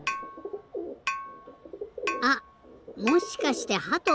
あっもしかしてハト？